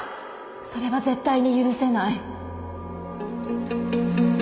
それは絶対に許せない！